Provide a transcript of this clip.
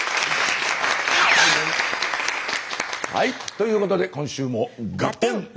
はいということで今週も「ガッテン！」。